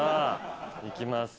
いきます。